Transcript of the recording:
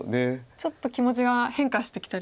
ちょっと気持ちは変化してきてる。